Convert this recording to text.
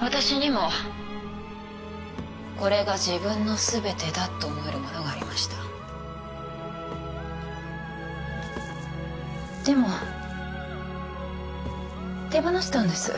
私にもこれが自分のすべてだと思えるものがありましたでも手放したんです